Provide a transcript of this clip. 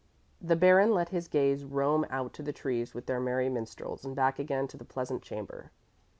The Baron let his gaze roam out to the trees with their merry minstrels and back again to the pleasant chamber.